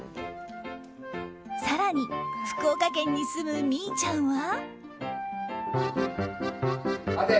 更に、福岡県に住むみーちゃんは。